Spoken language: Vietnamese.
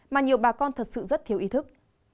mà nhiều bà con thật sự rất thiếu ý thức